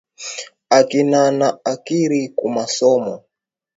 Akina na akiri kumasomo